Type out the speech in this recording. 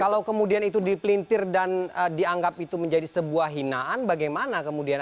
kalau kemudian itu dipelintir dan dianggap itu menjadi sebuah hinaan bagaimana kemudian